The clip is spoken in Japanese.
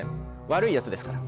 悪いヤツですから。